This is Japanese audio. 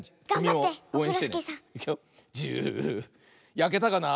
やけたかな。